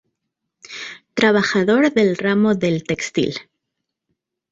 Trabajador del ramo del textil.